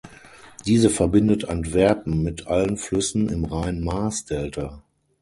Diese verbindet Antwerpen mit allen Flüssen im Rhein-Maas-Delta.